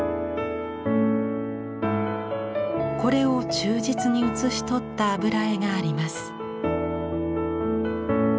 これを忠実に写し取った油絵があります。